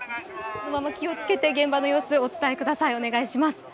気をつけて現場の様子お伝えください、お願いします。